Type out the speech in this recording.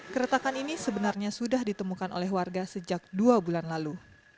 keretakan ini sebenarnya sudah ditemukan oleh warga sejak dua bulan lalu